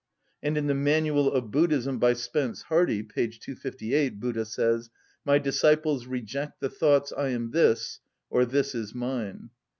And in the "Manual of Buddhism" by Spence Hardy, p. 258, Buddha says: "My disciples reject the thoughts I am this, or this is mine."